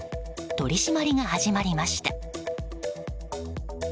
取り締まりが始まりました。